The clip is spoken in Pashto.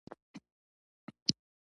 ستا میینه ما اختراع کړه